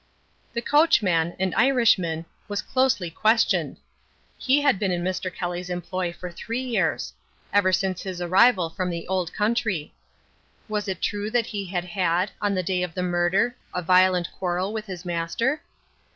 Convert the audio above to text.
The coachman, an Irishman, was closely questioned. He had been in Mr. Kelly's employ for three years ever since his arrival from the old country. Was it true that he had had, on the day of the murder, a violent quarrel with his master?